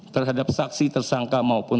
terhadap saksi tersangka maupun